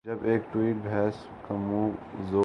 جب ایک ٹویٹ بحث کا مو ضوع تھا۔